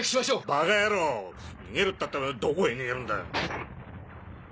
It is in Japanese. バカ野郎逃げるったってどこへ逃げるんだよ？